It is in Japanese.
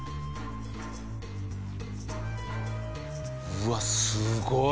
うわっすごい！